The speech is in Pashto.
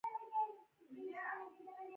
کاناډا د چاپیریال لپاره مالیه اخلي.